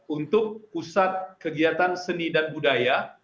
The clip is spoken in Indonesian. untuk pusat kegiatan seni dan budaya